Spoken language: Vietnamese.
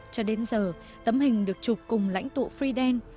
cho đến giờ tấm hình được chụp cùng lãnh tụ fidel